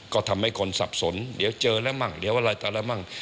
ก็ทำให้คนสับสนเดี๋ยวเจอแล้วมั่งเดี๋ยวอะไรตายแล้วมั่ง